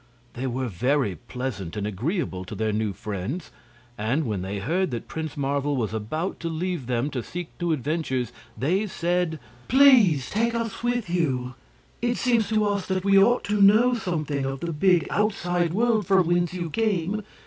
They were very pleasant and agreeable to their new friends, and when they heard that Prince Marvel was about to leave them to seek new adventures they said: "Please take us with you! It seems to us that we ought to know something of the big outside world from whence you came.